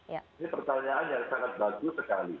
ini pertanyaan yang sangat bagus sekali